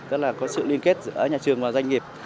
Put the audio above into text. tức là có sự liên kết giữa nhà trường và doanh nghiệp